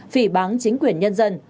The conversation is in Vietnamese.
phỉ báng chính quyền nhân dân